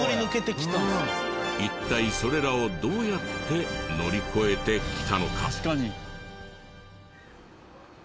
一体それらをどうやって乗り越えてきたのか？